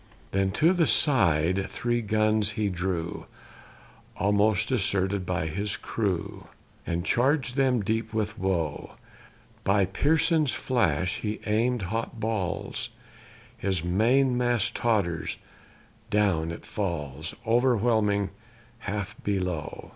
Then to the side three guns he drew (Almost deserted by his crew), And charg'd them deep with woe; By Pearson's flash he aim'd hot balls; His main mast totters down it falls O'erwhelming half below.